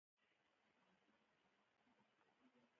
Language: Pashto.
بوټونه د مودې سره بدلېږي.